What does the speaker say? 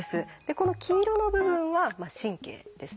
この黄色の部分は「神経」ですね。